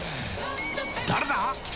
誰だ！